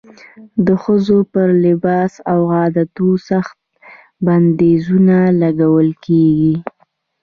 د ښځو پر لباس او عادتونو سخت بندیزونه لګول کېږي.